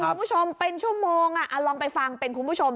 คุณผู้ชมเป็นชั่วโมงลองไปฟังเป็นคุณผู้ชม